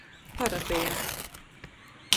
Parapeja.